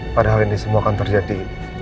padahal ini semua akan terjadi